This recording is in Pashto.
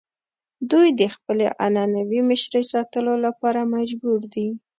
دوی د خپلې عنعنوي مشرۍ ساتلو لپاره مجبور دي.